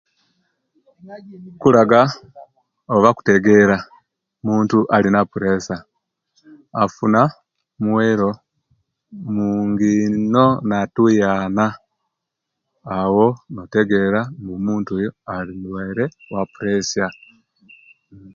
Kulaga oba kutegera muntu alina puresya, afuna muwero mungi ino natuyaana, awo notegera nti omuntu oyo alimulwaire wa'puresya.